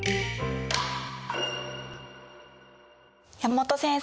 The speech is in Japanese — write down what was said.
山本先生